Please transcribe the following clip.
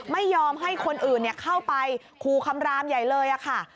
ไม่ยอมให้คนอื่นเข้าไปคูคำรามใหญ่เลยค่ะ